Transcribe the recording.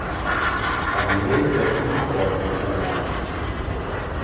Armee der Südfront ernannt.